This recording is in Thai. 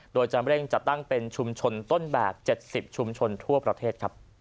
โดยจะเร่งจัดตั้งเป็นชุมชนต้นแบบ๗๐ชุมชนทั่วประเทศ